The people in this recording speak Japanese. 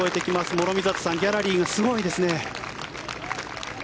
諸見里さんギャラリーがすごいですね。